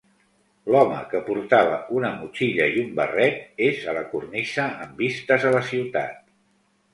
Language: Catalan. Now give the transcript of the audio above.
L'home que portava una motxilla i un barret, és a la cornisa amb vistes a la ciutat.